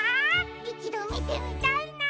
いちどみてみたいな！